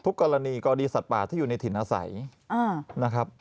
กรณีกรณีสัตว์ป่าที่อยู่ในถิ่นอาศัยนะครับ